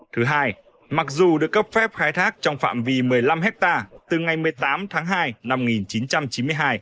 thứ hai mặc dù được cấp phép khai thác trong phạm vi một mươi năm hectare từ ngày một mươi tám tháng hai năm một nghìn chín trăm chín mươi hai